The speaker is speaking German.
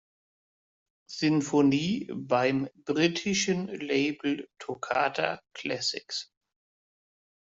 Sinfonie beim britischen Label Toccata Classics.